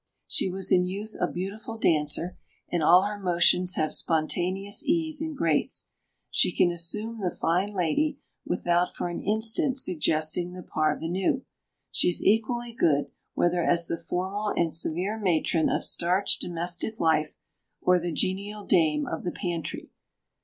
She was in youth a beautiful dancer, and all her motions have spontaneous ease and grace. She can assume the fine lady, without for an instant suggesting the parvenu. She is equally good, whether as the formal and severe matron of starched domestic life, or the genial dame of the pantry.